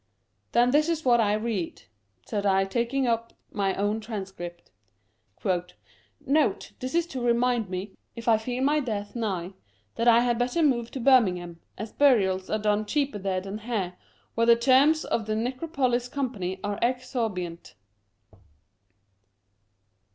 " Then this is what I read," said I, taking up my own transcript :—" Note, — This is to remind me^ if I feel my death 37 Curiosities of Olden Times nighy that I had better move to Birmingham^ as burials are done cheaper there than here^ where the terms of the Necropolis Company are exorbitant!'